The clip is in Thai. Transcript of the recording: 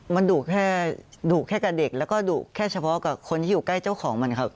มันดุแค่ดุแค่กับเด็กแล้วก็ดุแค่เฉพาะกับคนที่อยู่ใกล้เจ้าของมันครับ